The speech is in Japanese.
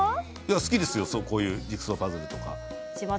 好きですよこういうのとかジグソーパズルとか。